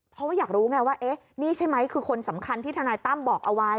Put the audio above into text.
เพราะว่าอยากรู้ไงว่าเอ๊ะนี่ใช่ไหมคือคนสำคัญที่ทนายตั้มบอกเอาไว้